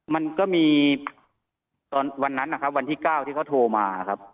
มันก็มีตอนวันนั้นนะครับวันที่๙ที่เขาโทรมาครับ